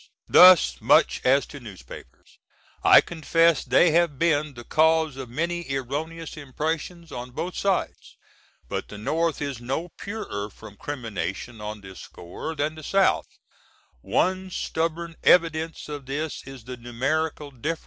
Thus much as to newspapers. I confess they have been the cause of many erroneous impressions on both sides, but the North is no purer from crimination on this score than the South; one stubborn evidence of this is the numerical dif.